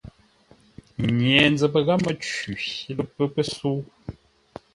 Nye-nzəpə gháp Mə́cwi lə pə́ pəsə̌u.